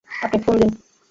আপনি ফোন দিন।